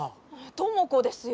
知子ですよ